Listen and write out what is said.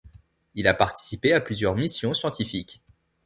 Il a participé à plusieurs missions scientifiques.